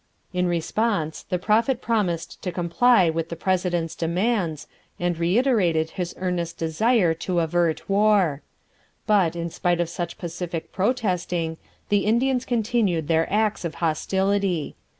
In response the Prophet promised to comply with the president's demands, and reiterated his earnest desire to avert war. But, in spite of such pacific protesting, the Indians continued their acts of hostility.